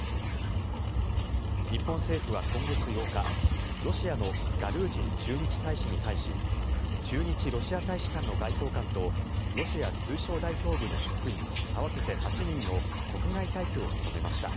日本政府は今月８日ロシアのガルージン駐日大使に対し駐日ロシア大使館の外交官とロシア通商代表部の職員合わせて８人の国外退去を求めました。